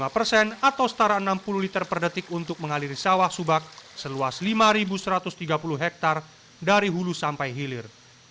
lima persen atau setara enam puluh liter per detik untuk mengaliri sawah subak seluas lima satu ratus tiga puluh hektare dari hulu sampai hilir